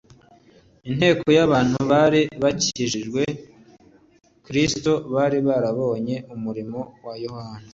Inteko y'abantu bari bakikije Kristo bari barabonye umurimo wa Yohana.